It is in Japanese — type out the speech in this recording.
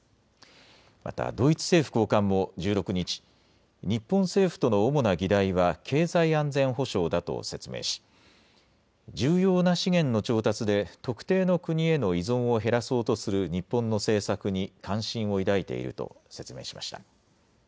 またドイツ政府高官も１６日、日本政府との主な議題は経済安全保障だと説明し重要な資源の調達で特定の国への依存を減らそうとする日本の政策に関心を抱いていると説明しました。